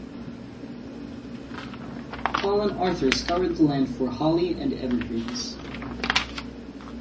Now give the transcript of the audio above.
Paul and Arthur scoured the land for holly and evergreens.